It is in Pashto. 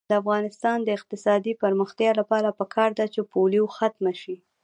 د افغانستان د اقتصادي پرمختګ لپاره پکار ده چې پولیو ختمه شي.